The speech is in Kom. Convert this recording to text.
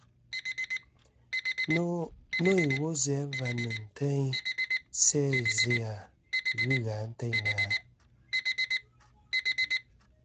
Nô iwo zɨ̀ a va ni teyn sæ zɨ-a ghɨ gha ateyna ?